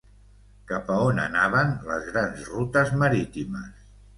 Cap on anaven les grans rutes marítimes?